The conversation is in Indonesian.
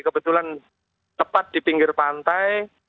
kebetulan tepat di pinggir pantai